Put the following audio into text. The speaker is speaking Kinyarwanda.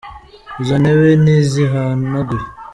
Izo ntebe ntizihanaguye.